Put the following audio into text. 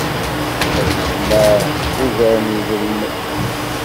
Ad yejmeɛ ugar n yedrimen.